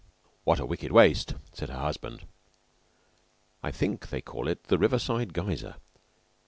"What a wicked waste!" said her husband. I think they call it the Riverside Geyser.